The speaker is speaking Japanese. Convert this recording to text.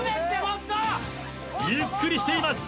ゆっくりしています。